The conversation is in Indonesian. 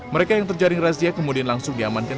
mereka yang terjaring razia kemudian langsung diamankan